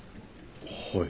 はい。